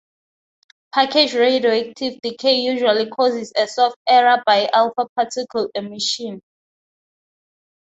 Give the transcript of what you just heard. Package radioactive decay usually causes a soft error by alpha particle emission.